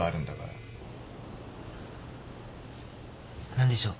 何でしょう？